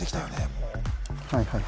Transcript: もうはいはい